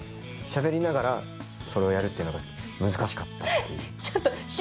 しゃべりながらそれをやるというのが難しかった。